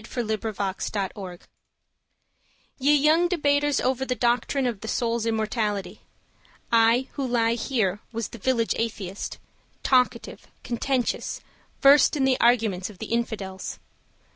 The Village Atheist Ye young debaters over the doctrine Of the soul's immortality I who lie here was the village atheist, Talkative, contentious, versed in the arguments Of the infidels.